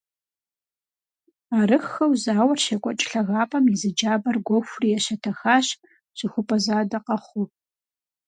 Арыххэу зауэр щекӏуэкӏ лъагапӏэм и зы джабэр гуэхури ещэтэхащ, щыхупӏэ задэ къэхъуу.